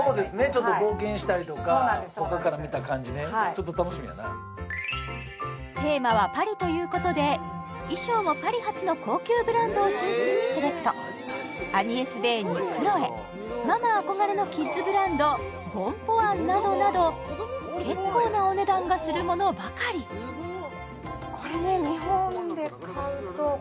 ちょっと冒険したりとかほかから見た感じねちょっと楽しみやな衣装もパリ発の高級ブランドを中心にセレクトアニエスベーにクロエママ憧れのキッズブランドボンポワンなどなど結構なお値段がするものばかりええっ！